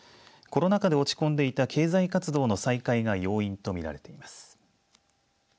コロナ禍で落ち込んでいた経済活動の再開が要因とみられています。